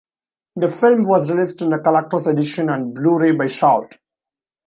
The film was released in a Collector's Edition on Blu-ray by Shout!